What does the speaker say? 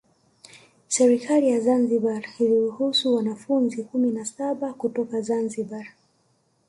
Serikali ya Zanzibar iliruhusu wanafunzi kumi na saba kutoka Zanzibar